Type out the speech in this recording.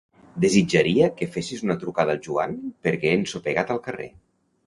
Desitjaria que fessis una trucada al Joan perquè he ensopegat al carrer.